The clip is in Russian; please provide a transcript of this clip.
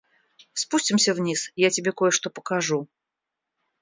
Спустимся вниз, я тебе кое-что покажу.